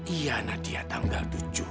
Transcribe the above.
iya nadia tanggal tujuh